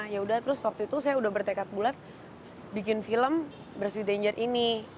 ya udah terus waktu itu saya udah bertekad bulat bikin film brush with danger ini